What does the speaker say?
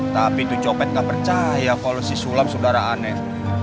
tapi itu copet gak percaya kalau si sulam saudara aneh